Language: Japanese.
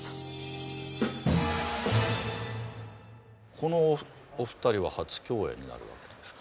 このお二人は初共演になるわけですか？